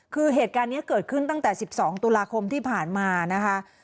คือเหตุการณ์นี้เกิดขึ้นตั้งแต่๑๒ตุลาคมที่ผ่านมานะคะ